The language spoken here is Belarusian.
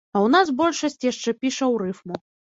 А ў нас большасць яшчэ піша ў рыфму.